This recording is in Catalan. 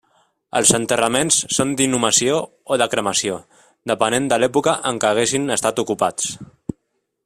Els enterraments són d'inhumació o de cremació, depenent de l'època en què haguessin estat ocupats.